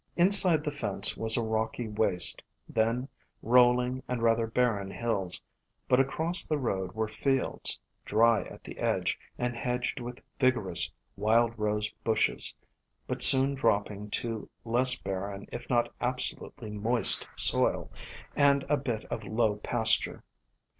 Inside the fence was a rocky waste, then rolling and rather barren hills, but across the road were fields, dry at the edge and hedged with vigorous Wild Rose Bushes, but soon dropping to less barren if not absolutely moist soil, and a bit of low pasture.